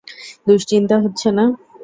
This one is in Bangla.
দুশ্চিন্তা হচ্ছে না?